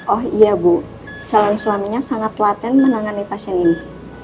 oh iya bu calon suaminya sangat laten menangani pasien ini